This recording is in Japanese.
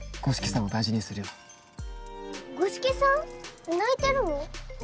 五色さん泣いてるの？